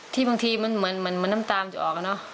ที่บางทีมันเหมือนมันน้ำตาลจะออกเนอะ